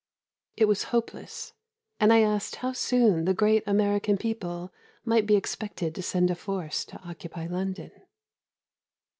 It was hopeless, and I asked how soon the great American people might be expected to send a force to occupy London.